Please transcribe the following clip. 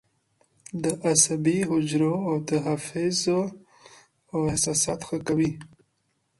د عصبي حجرو وده حافظه او احساسات ښه کوي.